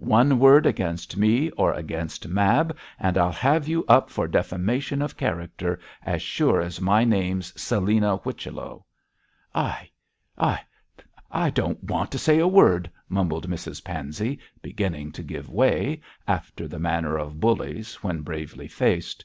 One word against me, or against Mab, and I'll have you up for defamation of character, as sure as my name's Selina Whichello.' 'I I I don't want to say a word,' mumbled Mrs Pansey, beginning to give way, after the manner of bullies when bravely faced.